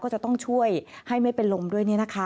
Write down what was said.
ก็จะต้องช่วยให้ไม่เป็นลมด้วย